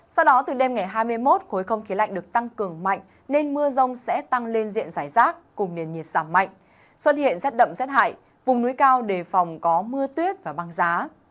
sau đó từ đêm ngày hai mươi một khối không khí lạnh được tăng cường mạnh nên mưa rông sẽ tăng lên diện giải rác cùng nền nhiệt giảm mạnh xuất hiện rét đậm rét hại vùng núi cao đề phòng có mưa tuyết và băng giá